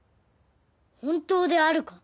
本当であるか？